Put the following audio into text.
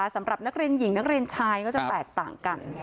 สำหรับนักเรียนหญิงนักเรียนชายก็จะแตกต่างกัน